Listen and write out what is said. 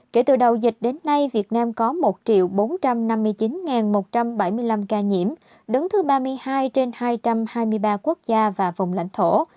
kể từ đầu dịch đến nay việt nam có một bốn trăm năm mươi chín một trăm bảy mươi năm ca nhiễm đứng thứ ba mươi hai trên hai trăm hai mươi ba quốc gia và vùng lãnh thổ